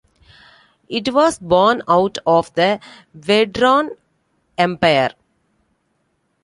It was born out of the Vedran Empire.